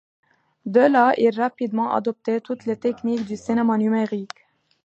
De là il a rapidement adopté toutes les techniques du cinéma numérique.